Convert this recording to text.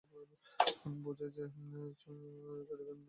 বোঝাই যায় পার্ক চু-ইয়াংয়ের ক্যারিয়ার মধ্যগগন থেকে সরে গেছে অস্তের দিকে।